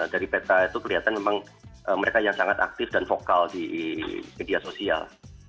dari peta itu kelihatan memang mereka yang sangat aktif dan vokal di media sosial